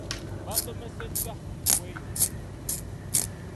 Baasomeseddwa ku kweyonja.